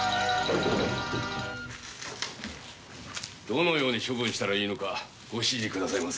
どのように処分したらいいのか御指示下さい。